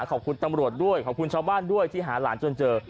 ขอบคุณตำรวจด้วยขอบคุณชาวบ้านด้วยที่หาหลานจนเจอ